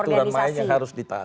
aturan lainnya harus ditaat